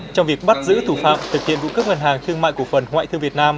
trong việc bắt giữ thủ phạm thực hiện vụ cướp ngân hàng thương mại cổ phần ngoại thương việt nam